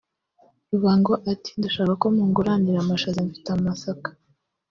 " Rubango ati "Ndashaka ko munguranira amashaza mfite amasaka